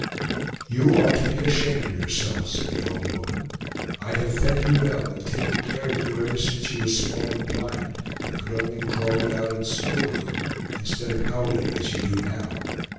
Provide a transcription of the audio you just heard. "You ought to be ashamed of yourself!" said the old woman. "I have fed you well, and taken care of you ever since you were small and blind, and could only crawl about and squeal a little, instead of howling as you do now.